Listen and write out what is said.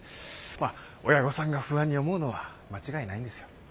まあ親御さんが不安に思うのは間違いないんですよ。